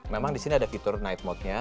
memang di sini ada fitur night mode nya